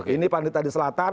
ini panitera di selatan